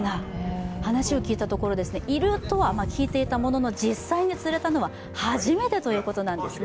話を聞いたところ、いるとは聞いていたものの実際に釣れたのは初めてということなんですね。